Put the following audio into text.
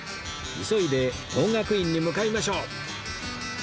急いで等覚院に向かいましょう